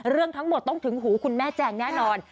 เรื่องทั้งหมดต้องถึงหูคุณแม่แจงแน่นอน